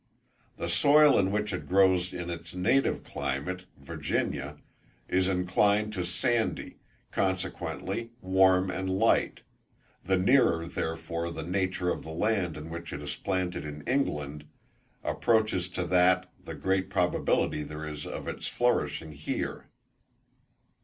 The soil in which it grows in its native climate, Virginia, is inclining to sandy, consequently warm and light; the nearer therefore the nature of the land in which it is planted in England approaches to that, the greater probability there is of its flourishing here.